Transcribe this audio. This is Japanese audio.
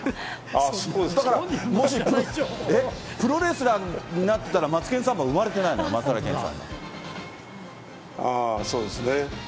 だからもしプロレスラーになってたら、マツケンサンバ生まれてないのよ、そうですね。